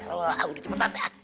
aduh di cepetan deh ah